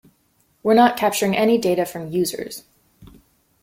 We're not capturing any data from users.